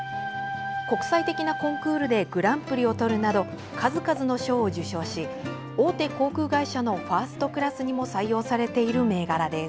国際的なコンクールでグランプリをとるなど数々の賞を受賞し大手航空会社のファーストクラスにも採用されている銘柄です。